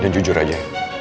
dan jujur aja